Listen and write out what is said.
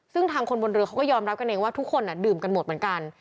ซึ่งทางคนบนเรือเขาก็ยอมรับกันเองว่าทุกคนดื่มกันหมดเหมือนกัน